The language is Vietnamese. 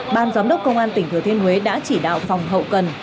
ban giám đốc công an tỉnh thừa thiên huế đã chỉ đạo phòng hậu cần